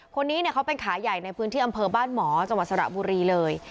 คนนี้เขาเป็นขาใหญ่ในพื้นที่อำเภอบ้านหมอจังหวัดสระบุรีเลย